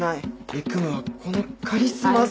憎むはこのカリスマ性。